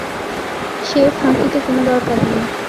সে ফাঁকিতে কোনো দরকার নেই।